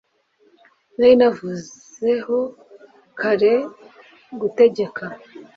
nari navuzeho kare, gutegeka